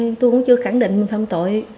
tôi cũng chưa khẳng định mình phạm tội